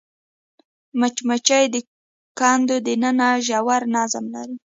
مچمچۍ د کندو دننه ژور نظم لري